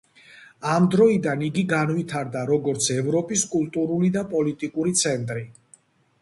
ამ დროიდან იგი განვითარდა, როგორც ევროპის კულტურული და პოლიტიკური ცენტრი.